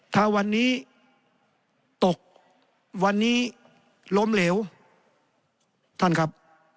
ถ้าวันนี้ตกวันนี้ล้มเหลวท่านครับ